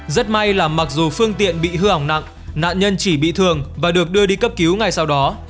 rất may là mặc dù phương tiện bị hư hỏng nặng nạn nhân chỉ bị thương và được đưa đi cấp cứu ngay sau đó